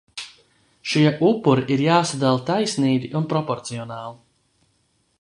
Šie upuri ir jāsadala taisnīgi un proporcionāli.